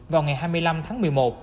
vào ngày hai mươi năm tháng năm